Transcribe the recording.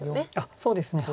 そうですね。